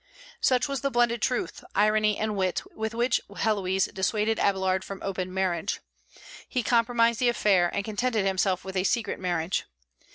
Such was the blended truth, irony, and wit with which Héloïse dissuaded Abélard from open marriage. He compromised the affair, and contented himself with a secret marriage.